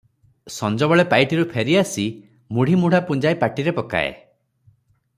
ସଞ୍ଜବେଳେ ପାଇଟିରୁ ଫେରିଆସି ମୁଢ଼ିମୁଢ଼ା ପୁଞ୍ଜାଏ ପାଟିରେ ପକାଏ ।